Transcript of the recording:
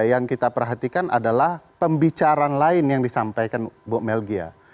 yang kita perhatikan adalah pembicaraan lain yang disampaikan bu melgia